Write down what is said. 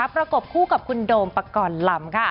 ประกบคู่กับคุณโดมปกรณ์ลำ